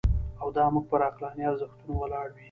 او دا موږ پر عقلاني ارزښتونو ولاړ وي.